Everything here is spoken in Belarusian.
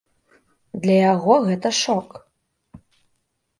Для яго гэта шок.